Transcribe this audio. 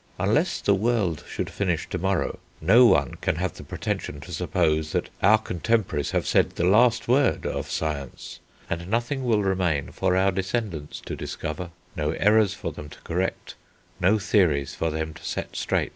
Unless the world should finish to morrow, no one can have the pretension to suppose that our contemporaries have said the last word of science, and nothing will remain for our descendants to discover, no errors for them to correct, no theories for them to set straight."